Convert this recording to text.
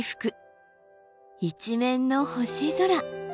一面の星空。